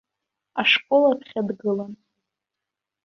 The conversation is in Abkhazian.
Ашкол аԥхьа дгылан.